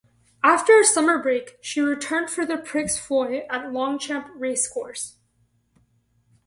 After a summer break she returned for the Prix Foy at Longchamp Racecourse.